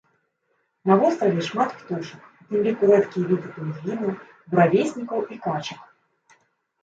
На востраве шмат птушак, у тым ліку рэдкія віды пінгвінаў, буравеснікаў і качак.